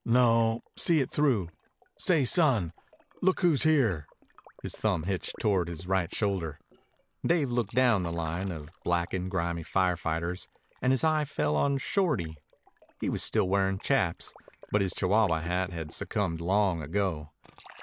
"No. See it through. Say, son, look who's here!" His thumb hitched toward his right shoulder. Dave looked down the line of blackened, grimy fire fighters and his eye fell on Shorty. He was still wearing chaps, but his Chihuahua hat had succumbed long ago.